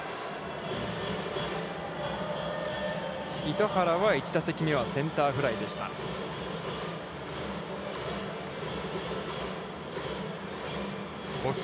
糸原は１打席目は、センターフライでした。